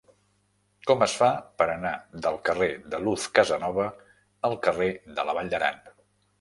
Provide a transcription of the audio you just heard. Com es fa per anar del carrer de Luz Casanova al carrer de la Vall d'Aran?